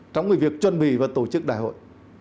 trong việc chuẩn bị và tổ chức đại hội